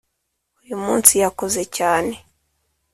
Uyu munsi yakoze cyane